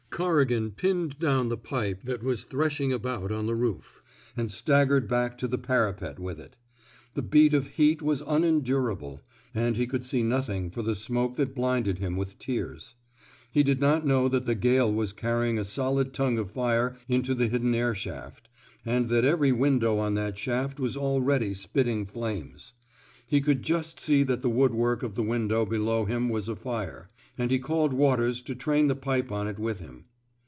Corrigan pinned down the pipe that was threshing about on the roof, and staggered back to the parapet with it. The beat of heat was unendurable, and he could see nothing for the smoke that blinded him with tears. He did not know that the gale was carrying a solid tongue of fire into the hidden air shaft, and that every window on that shaft was already spitting flames. He could just see that the woodwork of the window below him was afire, and he called Waters to train the pipe on it with him.